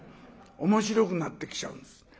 面白くなってきちゃうんです。